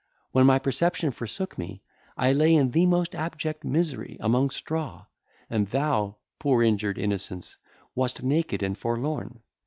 When my perception forsook me, I lay in the most abject misery, among straw; and thou, poor injured innocence, wast naked and forlorn.